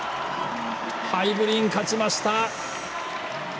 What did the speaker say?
ハイブリン、勝ちました。